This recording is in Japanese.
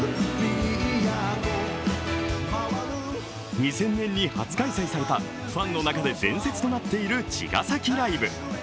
２０００年に初開催されたファンの中で伝説となっている茅ヶ崎ライブ。